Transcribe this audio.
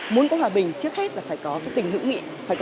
muốn có hòa bình trước hết là phải có tình hữu nghị